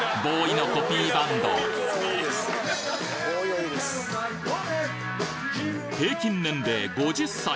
ＢＯＷＹのコピーバンド平均年齢５０歳！